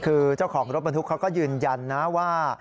คือเจ้าของรถบรรทุกเขาก็ยืนยันนะว่า